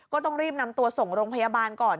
ก็ต้องรีบนำตัวส่งโรงพยาบาลก่อน